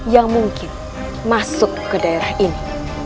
yang mungkin masuk ke daerah ini